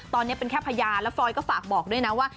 ตอนนี้เป็นแค่พยานแล้วฟรอยก็ฝากบอกด้วยนะว่า